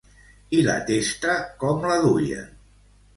I la testa com la duien?